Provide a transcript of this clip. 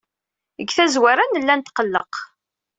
Deg tazwara, nella netqelleq.